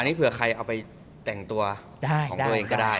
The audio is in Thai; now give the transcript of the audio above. อันนี้เผื่อใครเอาไปแต่งตัวของตัวเองก็ได้